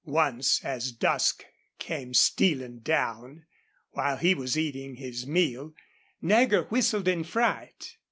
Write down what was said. Once as dusk came stealing down, while he was eating his meal, Nagger whistled in fright.